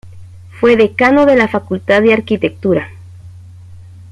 Fue Decano de la Facultad de Arquitectura.